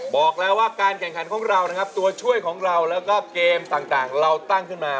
บอกแล้วว่าการแข่งขันของเรานะครับตัวช่วยของเราแล้วก็เกมต่างเราตั้งขึ้นมา